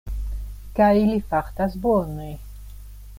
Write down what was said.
Kaj li fartas bone.